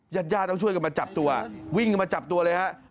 ยาต้องช่วยกันมาจับตัววิ่งมาจับตัวเลยครับ